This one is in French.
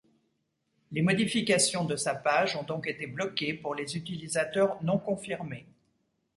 Les modifications de sa page ont donc été bloquées pour les utilisateurs non confirmés.